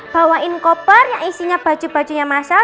bawain koper yang isinya baju bajunya mas al